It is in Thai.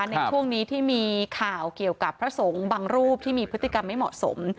ในช่วงนี้ที่มีข่าวเกี่ยวกับพระสงฆ์บางรูปที่มีพฤติกรรมไม่เหมาะสม